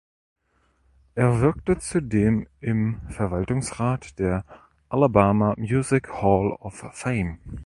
Er wirkte zudem im Verwaltungsrat der Alabama Music Hall of Fame.